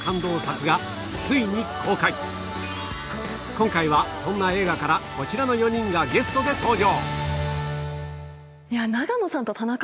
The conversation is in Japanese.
今回はそんな映画からこちらの４人がゲストで登場！